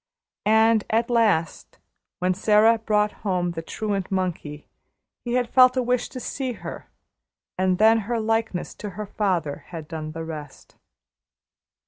And at last, when Sara brought home the truant monkey, he had felt a wish to see her, and then her likeness to her father had done the rest.